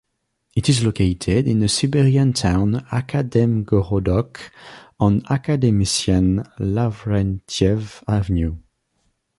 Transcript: It is located in the Siberian town Akademgorodok, on Academician Lavrentiev Avenue.